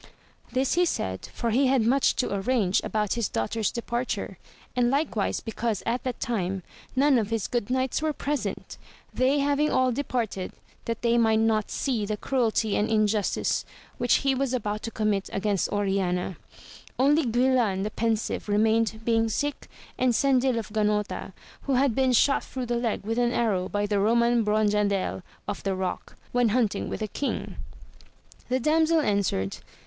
This he said, for he had much to arrange about his daughter's departure, and likewise because at that time none of his good knights were present, they having all departed that they might not see the cruelty and injustice which he was about to commit against Oriana, only Guilan the Pensive remained being sick, and Cendil of Ganota who had been shot through the leg with an arrow by the Eoman Bronjadel of the Eock, when hunting with the king. The damsel answered.